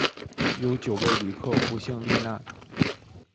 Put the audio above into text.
有九位旅客不幸罹难